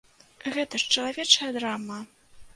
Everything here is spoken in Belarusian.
Гэта ж чалавечая драма!